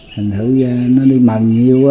thì thử nó đi mầm nhiều